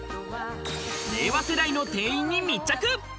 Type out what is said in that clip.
令和世代の店員に密着。